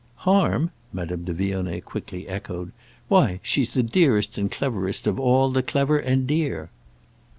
"'Harm'?" Madame de Vionnet quickly echoed. "Why she's the dearest and cleverest of all the clever and dear."